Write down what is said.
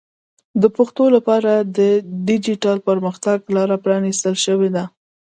د پښتو لپاره د ډیجیټل پرمختګ لاره پرانیستل شوې ده.